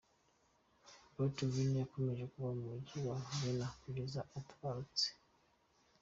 Beethoven yakomeje kuba mu mujyi wa Vienna kugeza atabarutse.